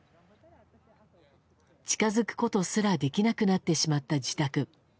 近づくことすらできなくなってしまった自宅。